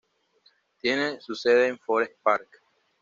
Tiene su sede en Forest Park.